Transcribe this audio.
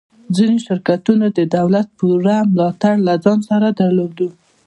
ځینو شرکتونو د دولت پوره ملاتړ له ځان سره درلود